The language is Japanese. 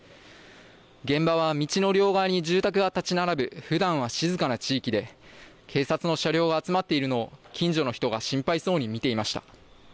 現場は道の両側に住宅が建ち並ぶふだんは静かな地域で警察の車両が集まっているのを近所の人が心配そうに見ていました。